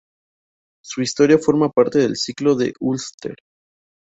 Su historia forma parte del Ciclo de Ulster.